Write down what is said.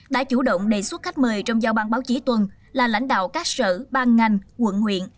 đã chủ động đề xuất khách mời trong giao ban báo chí tuần là lãnh đạo các sở ban ngành quận huyện